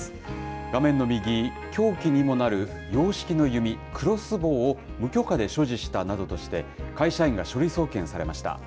画面の右、凶器にもなる洋式の弓、クロスボウを無許可で所持したなどとして、会社員が書類送検されました。